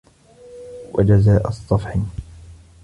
وَجَزَاءَ الصَّفْحِ